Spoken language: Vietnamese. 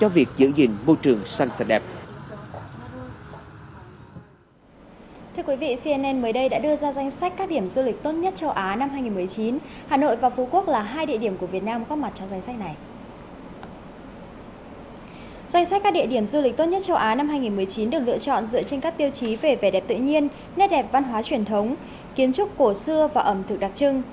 các địa điểm du lịch tốt nhất châu á năm hai nghìn một mươi chín được lựa chọn dựa trên các tiêu chí về vẻ đẹp tự nhiên nét đẹp văn hóa truyền thống kiến trúc cổ xưa và ẩm thực đặc trưng